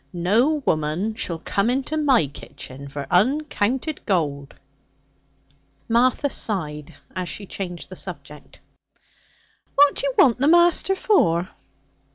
No woman shall come into my kitchen for uncounted gold.' Martha sighed as she changed the subject. 'What do you want the master for?'